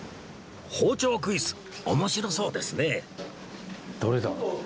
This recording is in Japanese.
包丁クイズ面白そうですね